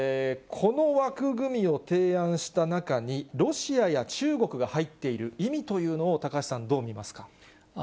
この枠組みを提案した中に、ロシアや中国が入っている意味というのを、高橋さん、どう見ますか。